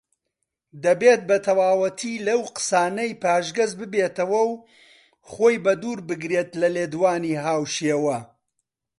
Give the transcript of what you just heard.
دەبێت بەتەواوەتی لەو قسانەی پاشگەزبێتەوە و خۆی بە دوور بگرێت لە لێدوانی هاوشێوە